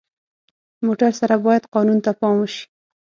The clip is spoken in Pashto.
موټر سره باید قانون ته پام وشي.